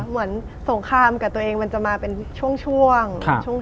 เหมือนสงครามกับตัวเองมันจะมาเป็นช่วง